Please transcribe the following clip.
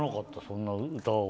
そんな歌を。